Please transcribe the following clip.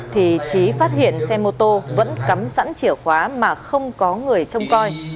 thì trí phát hiện xe mô tô vẫn cắm sẵn chìa khóa mà không có người trông coi